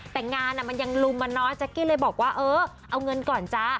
แต่งานมันยังลุมมาน้อยแจ๊กกี้เลยบอกว่าเออเอาเงินก่อนจ้า